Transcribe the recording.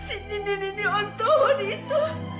ini ini ini ini untuk hody itu